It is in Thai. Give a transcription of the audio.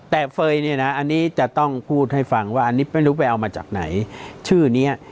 แต่เฟย์เนี่ยนะอันนี้จะต้องพูดให้ฟังว่าอันนี้ไม่รู้ไปเอามาจากไหนชื่อเนี้ย